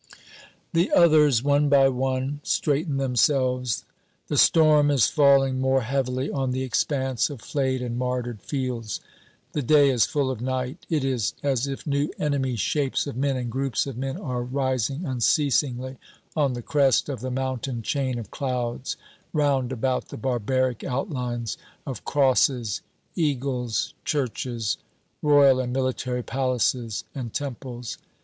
The others, one by one, straighten themselves. The storm is falling more heavily on the expanse of flayed and martyred fields. The day is full of night. It is as if new enemy shapes of men and groups of men are rising unceasingly on the crest of the mountain chain of clouds, round about the barbaric outlines of crosses, eagles, churches, royal and military palaces and temples.